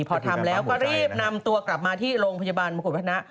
พอทำแล้วก็รีบนำตัวกลับมาที่โรงพยาบาลมงกุฎพนะ